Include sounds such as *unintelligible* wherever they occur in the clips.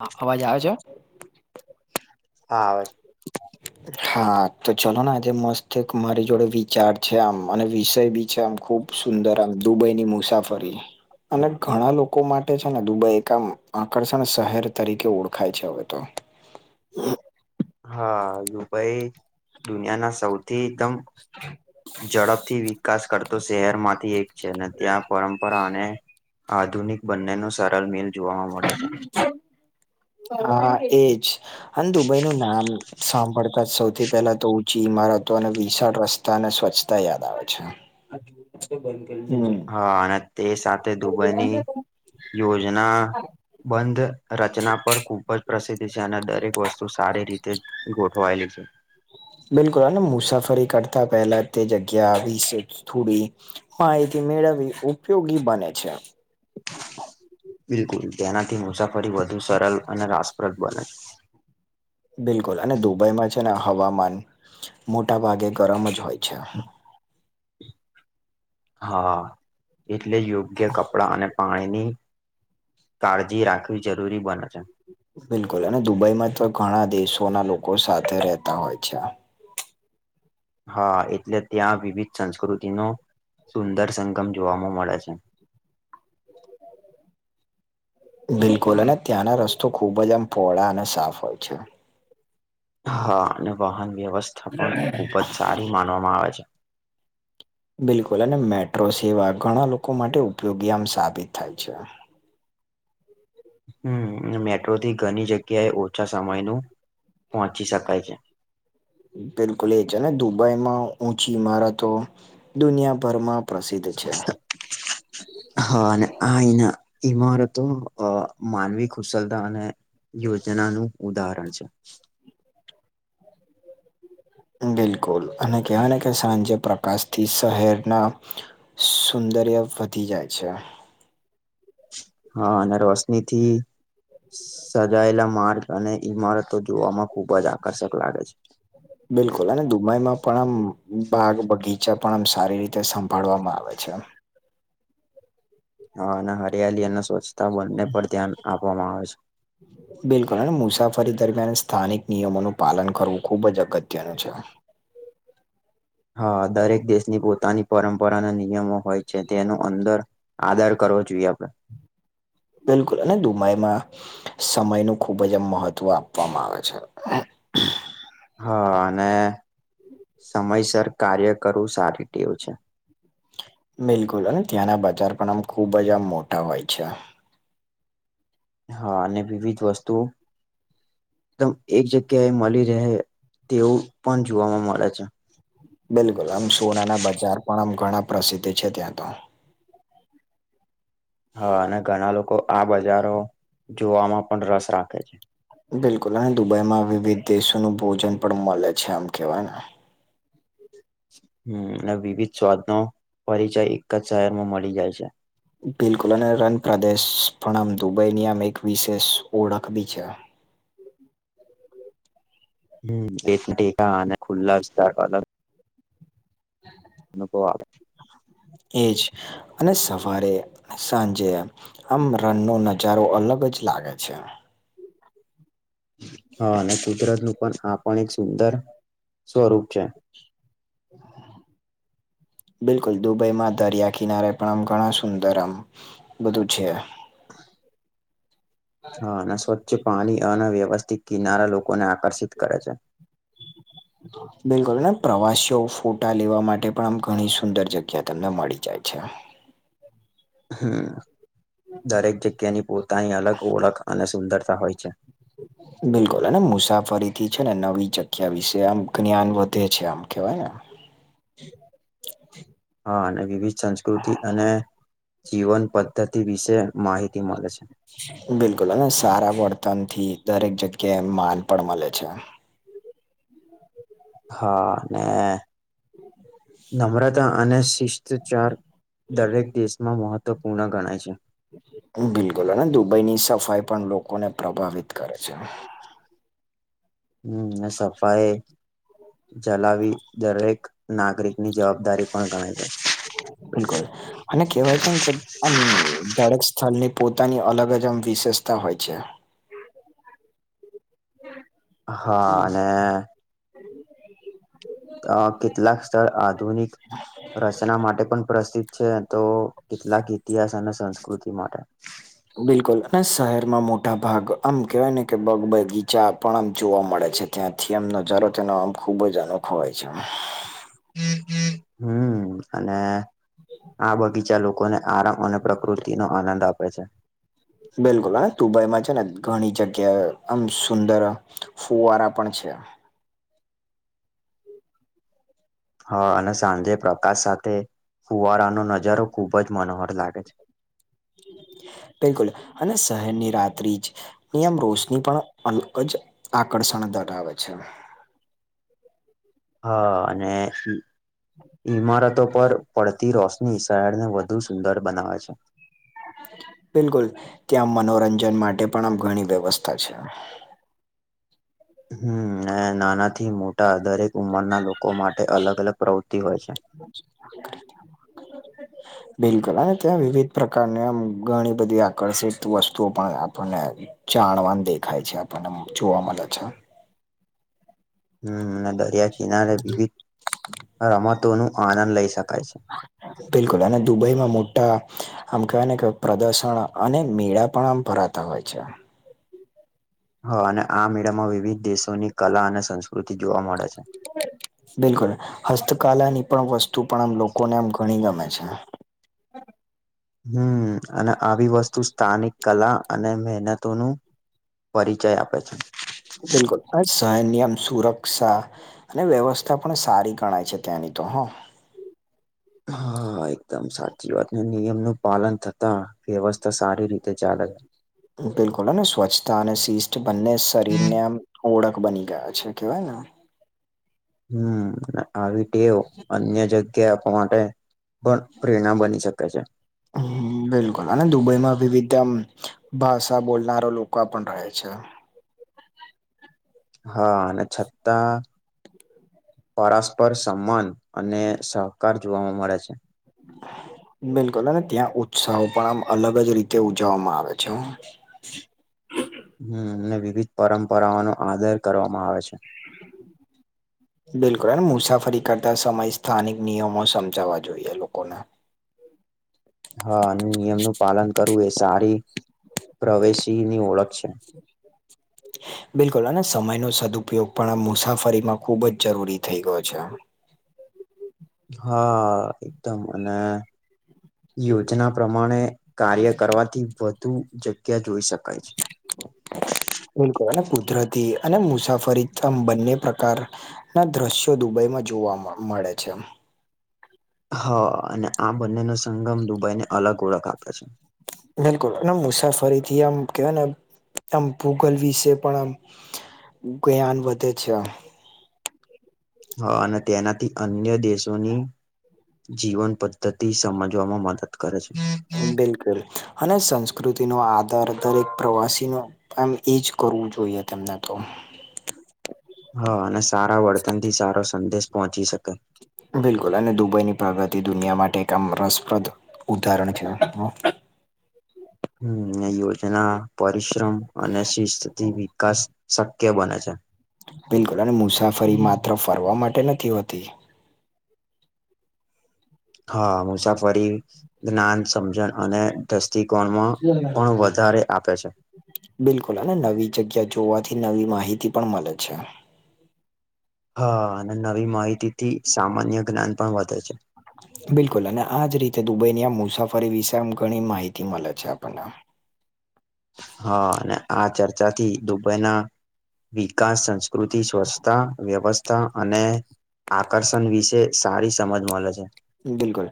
હા, અવાજ આવે છે? હા. હ *unintelligible* હા, તો ચલોને આજે મસ્ત એક મારી જોડે વિચાર છે. આમ અને વિષય પણ છે આમ ખુબ, સુંદર દુબઈની મુસાફરી અને ઘણા લોકો માટે છે ને દુબઈ એક આમ આકર્ષણ શહેર તરીકે ઓળખાય છે. હવે, તો હ. હા, દુબઈ દુનિયાના સૌથી એકદમ, *inaudible* ઝડપથી વિકાસ કરતો શહેરમાંથી એક છે ને ત્યાં પરંપરા અને, આધુનિક બંનેનું સરળ મિલ જોવા મળે છે. હા, એજ. અને દુબઈનું નામ સાંભળતા જ સૌથી પહેલા તો ઊંચી ઈમારતો અને વિશાળ રસ્તા-, ને સ્વચ્છતા યાદ આવે છે. હા, અને તે સાથે દુબઈની યોજના, બંધ રચના પર કૂ, ખ જ પ્રસિદ્ધ છે અને દરેક વસ્તુ સારી રીતે ગોઠવાયેલી છે. બિલકુલ. હા મુસાફરી કરતા પહેલા તે જગ્યા આવી છે. થોડી હા, એથી મેળવવી ઉપયોગી બને છે. બિલકુલ. તેનાથી મુસાફરી વધુ સરળ અને રસપ્રદ બને છે. બિલકુલ. અને દુબઈમાં છે ને હવામાન મોટા ભાગે ગરમ જ હોય છે. હા, એટલે યોગ્ય કપડાં અને-, પાણીની કાળજી રાખવી જરૂરી બને છે. બિલકુલ. અને દુબઈમાં તો ઘણા દેશોના લોકો સાથે રહેતા હોય છે. હા, એટલે ત્યાં વિવિધ સંસ્કૃતિનો સુંદર સંગમ જોવાવામાં મળે છે. બિલકુલ. અને ત્યાંના રસ્તો ખુબ જ આમ પહોળા અને સાફ હોય છે. હા અને વાહન વ્યવસ્થા પણ ખુબ જ સારી માનવામાં આવે છે. બિલકુલ અને મેટ્રો સેવા ઘણા લોકો માટે ઉપયોગી આમ સાબિત થાય છે. હમ મેટ્રોથી ઘણી જગ્યાએ ઓછા સમયનું પહોંચી શકાય છે. બિલકુલ એ છે ને દુબઈમાં ઊંચી ઈમારતો દુનિયાભરમાં, પ્રસિદ્ધ છે. *inaudible* હા અને આના ઈમારતો માનવી કુશલતા અને, યોજના નું ઉદાહરણ છે. બિલકુલ અને કહેવાય ને કે સાંજે પ્રકાશ થી શહેરના, સુંદર્ય વધી જાય છે. હા અને રોશની થી સજાયેલા માર્ગ અને ઈમારતો જોવામાં ખુબ જ આકર્ષક લાગે છે. બિલકુલ અને દુબઈમાં પણ આમ બાગ બગીચા પણ આમ સારી રીતે સંભાળવામાં આવે છે. હા અને હરિયાલી અને સ્વચ્છતા બંને પર ધ્યાન આપવામાં આવે છે. જ બિલકુલ અને મુસાફરી દરમિયાન સ્થાનિક નિયમોનું પાલન કરવું ખુબ જ અગત્યનું છે. હા દરેક દેશની પોતાની પરંપરાના નિયમો હોય છે. તેનું અંદર આધાર કરવો જોઈએ આપડે બિલકુલ અને દુબઈમાં સમય ન ખુબ જ આમ મહત્વ આપવામાં આવે છે. હા અને સમયસર કાર્ય કરવું સારી ટેવું છે. બિલકુલ અને ત્યાંના બજાર પણ આમ ખૂબ જ આમ મોટા હોય છે. હા અને વિવિધ વસ્તુઓ એકદમ એક જગ્યાએ મળી રહે તેવું પણ જોવાવામાં મળે છે. બિલકુલ આમ સોનાના બજાર પણ આમ ઘણા પ્રસિદ્ધ છે. ત્યાં તો હા અને ઘણા લોકો આ બજારો જોવામાં પણ રસ રાખે છે. બિલકુલ અને દુબઈમાં વિવિધ દેશોનું ભોજન પણ મળે છે. આમ કેવાય ને હમ્મ અને વિવિધ સ્વાદનો પરિચય એક જ શહેરમાં મળી જાય છે. બિલકુલ અને રનપ્રદેશ પણણમ દુબઈની આમ એક વિશેષ ઓળખ બી છે. હ એ ટેકા અને ખુલ્લા સ્થળ અલગ એ કોવા આવે એજ અને સવારે સાંજે આમ રનનો નજારો અલગ જ લાગે છે. હા અને કુદરત નું પણ આ પણ એક સુંદર સ્વરૂપ છે. હ બિલકુલ દુબઈમાં દરિયા કિનારે પણ આમ ઘણા સુંદર આમ બધું છે. હ, હા અને સ્વચ્છ પાણી અને વ્યવસ્થિત કિનારા લોકોને આકર્ષિત કરે છે. બિલકુલ પ્રવાસીઓ ફોટા લેવા માટે પણ આમ ઘણી સુંદર જગ્યા તમને મળી જાય છે. હમ્મ દરેક જગ્યાની પોતાની અલગ ઓળખ અને સુંદરતા હોય છે. *inaudible* બિલકુલ અને મુસાફરીથી છે ને નવી જગ્યા વિશે આમ જ્ઞાન વધે છે. આમ કવાય ને હા અને વિવિધ સંસ્કૃતિ અને જીવન પદ્ધતિ વિશે માહિતી મળે છે. બિલકુલ અને સારા વર્તનથી દરેક જગ્યાએ માન પણ મળે છે. હા ને નમ્રતા અને શિસ્તચાર દરેક દેશમાં મહત્વપૂર્ણ ગણાય છે. બિલકુલ અને દુબઈની સફાઈ પણ લોકોને પ્રભાવિત કરે છે. હમ્મ ને સફાાઈ ચલાવી દરેક નાગરિક ની જવાબદારી પણ ગણે છે. ઉન કર અને કેહેવાય છેમ કે આમ દરેક સ્થળની પોતાની અલગ જ આમ વિશેષતા હોય છે. હા અને અ કેટલાક સ્થળ આધુનિક રચના માટે પણ પ્રસિ્ધ છે તો કેટલાક ઇતિહાસ અને સંસ્કૃતિ માટે બિલકુલ અને શહેરમાં મોટા ભાગ આમ કેહેવાય ને કે બગ બગીચા પણ આમ જોવા મળે છે ત્યાંથી એમનો જરો તેનો આમ ખૂબ જ અનોખો હોય છે. હમ અને આ બગીચા લોકોને આરામ અને પ્રકૃતિ નો આનંદ આપે છે. બિલકુલ અને દુબઈમાં છે ને ઘણી જગ્યા આમ સુંદર ફુવારા પણ છે. હા અને સાંજે પ્રકાશ સાથે ફુવારાનો નજારો ખુબ જ મનોહર લાગે છે. બિલકુલ, અને શહેરની રાત્રિ જ નિયમ રોષની પણ અલગ જ આકર્ષણ ધરાવે છે. હા અને ઈમારતો પર પડ થી રોશની શળ ને વધુ સુંદર બનાવે છે. બિલકુલ ત્યાં મનોરંજન માટે પણ આમ ઘણી વ્યવસ્થા છે. હમ નાનાથી મોટા દરેક ઉંમરના લોકો માટે અલગ અલગ પ્રવૃત્તિ હોય છે. *inaudible* બિલકુલ અને ત્યાં વિવિધ પ્રકારની ઘણી બધી આકર્ષિત વસ્તુઓ પણ આપણને જાણવાન દેખાય છે આપણને જોવા મળે છે. હમ દરિયા કિનારે વિવિધ, રમતો નું આનંદ લઇ શકાય છે. બિલકુલ અને દુબઈમાં મોટા આમ કહેવાય ને પ્રદર્શન અને મેળા પણ આમ ભરાતા હોય છે. હ અને આ મેળામાં વિવિધ દેશોની કલા અને સંસ્કૃતિ જોવા મળે છે. બિલકુલ, હસ્તકલાની પણ વસ્તુ પણ આમ લોકોને આમ ઘણી ગમે છે. હમ અને આવી વસ્તુ સ્થાનિક કલા અને મહેનતોનું. પરિચય આપે છે. બિલકુલ હ સનયમ સુરક્ષા. અને વ્યવસ્થા પણ સારી ગણાય છે ત્યાંની તો હં. હા એકદમ સાચી વાત, નિયમ નું પાલન થતા વ્યવસ્થા સારી રીતે તે ચાર હજાર બિલકુલ સ્વચ્છતા અને શિસ્ત બંને શરીરને આમ ઓળખ બની ગયા છે કેવાય ને. હમ આવી ટેવ અન્ય જગ્યા આપવા માટે. પણ પ્રેરણા બની શકે છે. હ બિલકુલ અને દુબઈમાં વિવિધ ભાષા બોલનારો લોકો પણ રહે છે. હા અને છતાં પરસ્પર સમાન અને સહકાર જોવાવા મળે છે. હ *inaudible* બિલકુલ અને ત્યાં ઉત્સાહો પણ આમ અલગ જ રીતે ઉજવવામાં આવે છે. હમ ને વિવિધ પરંપરાઓ ન આદર કરવામાં આવે છે. *inaudible* બિલકુલ અને મુસાફરી કરતા સમય સ્થાનિક નિયમો સમજાવવા જોઈએ લોકોને. હા અને નિયમ નું પાલન કરવું એ સારી પ્રવેશી ની ઓળખ છે. બિલકુલ અને સમય ન સદુપયોગ પણ આ મુસાફરીમાં ખુબ જ જરૂરી થઇ ગયો છે. હા એકદમ અને યોજના પ્રમાણે કાર્ય કરવાથી વધ તું જગ્યા જોઈ શકાય છે. બિલકુલ અને કુદરતી અને મુસાફરી આમ બંને પ્રકાર. ના દ્રશ્યો દુબઈમાં જોવા મળે છે હા અને આ બંને ન સંગમ દુબઈ ને, અલગ ઓળખ આપે છે. બિલકુલ એ મુસાફરી થી આમ કવાય ને, આમ ભૂગલ વિશે પણ આમ જ્ઞાન વધે છે. હા, અને તેનાથી અન્ય દેશોની જીવન પદ્ધતિ સમજવામાં મદદ કરે છે. બિલકુલ અને સંસ્કૃતિનો આધાર દરેક પ્રવાસીનો પણ એમ એજ કરવું જોઈએ તેમને તો, હા અને સારા વર્તનથી સારો સંદેશ પહોંચી શકે. બિલકુલ અને દુબઈની પ્રગતિ દુનિયા માટે એક આમ રસપ્રદ ઉદાહરણ છે. હા યોજના પરિશ્રમ અને શિસ્તથી વિકાસ શક્ય બને છે. હા બિલકુલ અને મુસાફરી માત્ર ફરવા માટે નથી હોતી, હા મુસાફરી જ્ઞાન સમજણ અને દ્રષ્ટિકોણમાં પણ વધારે આપે છે. હા બિલકુલ અને નવી જગ્યા જોવાથી નવી માહિતી પણ મળે છે. હા અને નવી માહિતીથી સામાન્ય જ્ઞાન પણ વધે છે. બિલકુલ અને આજ રીતે દુબઈની આ મુસાફરી વિશે આમ ઘણી માહિતી મળે છે આપણને હા અને આ ચર્ચાથી દુબઈના વિકાસ સ કૃતિ સ્વચસ્થતા વ્યવસ્થ અને આકર્ષણ વિશે સારી સમજ મળે છે. બિલકુલ,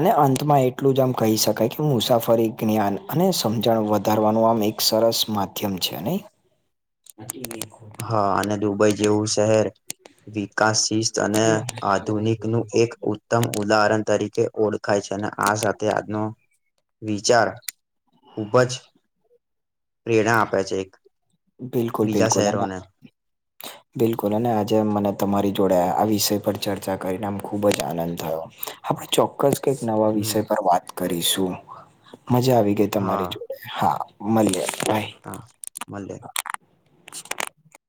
અને અંતમાં એટલું જ આમ કહી શકાય કે મુસાફરી જ્ઞાન અને સમજણ વધારવાનું આમ એક સરસ માધ્યમ છે. અને હા અને દુબઈ જેવું શહેર વિકાસશીસ્ અને આધુનિકનું એક ઉત્તમ ઉદાહરણ તરીકે ઓળખાય છે, અને આ સાથે આજનો વિચાર ખૂબ જ પ્રેરણા આપે છે એક બિલકુલ બીજા બિલકુલ અને શહેરોને બિલકુલ અને આજે મને તમારી જોડે આ વિષય પર ચર્ચા કરીને આમ ખુબ જ આનંદ થયો. આપણે ચોક્કસ કઈક નવા વિષય હમ પર વાત કરીશું મજા આવી ગઈ તમારી હા જોડે, હા મળીયે બાય. હા મલે. - *inaudible*